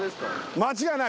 間違いない。